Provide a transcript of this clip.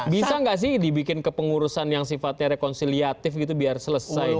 bisa enggak sih dibikin ke pengurusan yang sifatnya rekonsiliatif gitu biar selesai